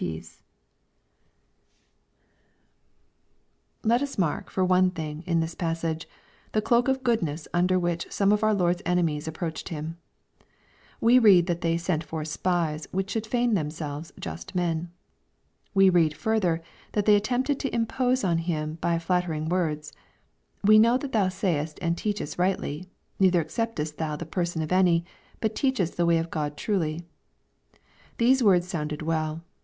XX. 831 Let us mark, for one thing, in this passage, the cloak of goodness under which some of our Lord's enemies ap" preached Him, We read that they '^ seqt forth spies, which should feign themselves just men/' We read further that they attempted to impose on Him by flat tering words :" We know that^hou gayest and teachest rightly, neither acceptest thou"^the person of any, but teachest the way of God truly." These words sounded well.